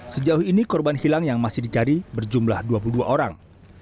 sejauh ini korban hilang yang masih dicari berjumlah dua puluh dua orang